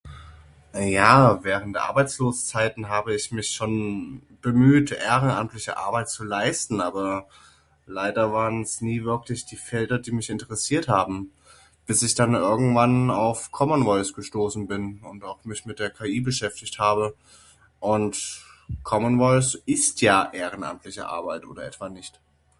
Ja während Arbeitsloszeiten habe ich mich schon bemüht ehrenamtliche Arbeit zu leisten, aber leider warens nie wirklich die Felder die mich interessiert haben. Bis ich dann irgendwann auf Common Voice gestoßen bin und auch mich mit der KI beschäftigt habe, und Common Voice ist ja ehrenamtliche Arbeit oder etwa nicht?